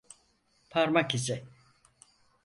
Parmak izi.